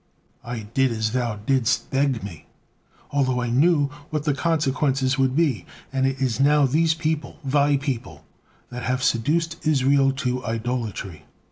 I did as thou didst beg me, although I knew what the consequences would be, and it is now these people, 'thy people,' that have seduced Israel to idolatry."